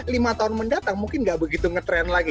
lima tahun mendatang mungkin nggak begitu ngetrend lagi